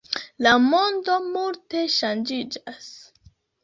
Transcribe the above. La mondo multe ŝanĝiĝas.